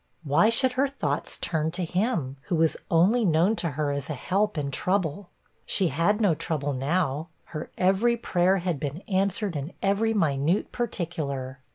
Why should her thoughts turn to him, who was only known to her as a help in trouble? She had no trouble now; her every prayer had been answered in every minute particular.